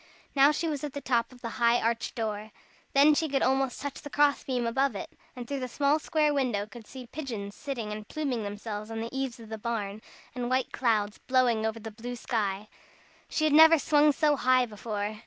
Now she was at the top of the high arched door. Then she could almost touch the cross beam above it, and through the small square window could see pigeons sitting and pluming themselves on the eaves of the barn, and white clouds blowing over the blue sky. She had never swung so high before.